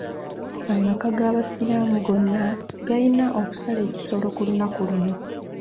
Amaka g'abasiraamu gonna gayina okusala ekisolo ku lunaku luno.